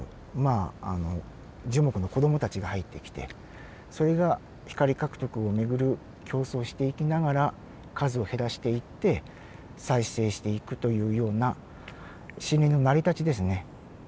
あ樹木の子どもたちが入ってきてそれが光獲得を巡る競争をしていきながら数を減らしていって再生していくというような森林の成り立ちですね。